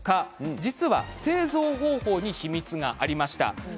実は、製造方法に秘密がありました。